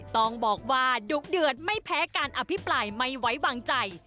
ต้องบอกว่าดุเดือดไม่แพ้การอภิปรายไม่ไว้วางใจ